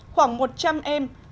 khoảng một trăm linh đồng tiền